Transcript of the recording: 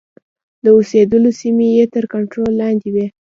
د اوسېدلو سیمې یې تر کنټرول لاندي وې.